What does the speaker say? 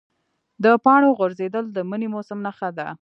د پاڼو غورځېدل د مني موسم نښه ده.